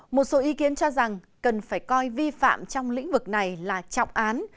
một số ý kiến cho rằng cần phải coi vi phạm trong lĩnh vực này là trọng án